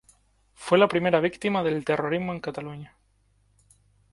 Fue la primera víctima del terrorismo en Cataluña.